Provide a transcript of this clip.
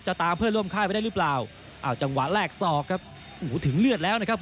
ตามเพื่อนร่วมค่ายไปได้หรือเปล่าอ้าวจังหวะแรกศอกครับโอ้โหถึงเลือดแล้วนะครับ